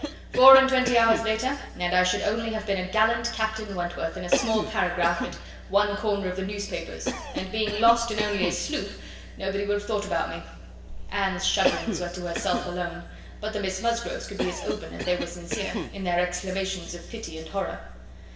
Four and twenty hours later, and I should only have been a gallant Captain Wentworth, in a small paragraph at one corner of the newspapers; and being lost in only a sloop, nobody would have thought about me." Anne's shudderings were to herself alone; but the Miss Musgroves could be as open as they were sincere, in their exclamations of pity and horror.